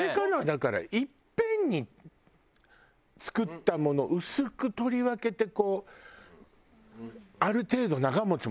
だから一遍に作ったものを薄く取り分けてこうある程度長持ち。